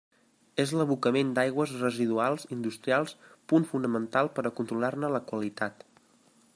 És l'abocament d'aigües residuals industrials punt fonamental per a controlar-ne la qualitat.